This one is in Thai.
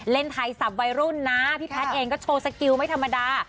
เล่นไทยสับวัยรุ่นนะพี่แพทย์เองก็โชว์สกิลไม่ธรรมดา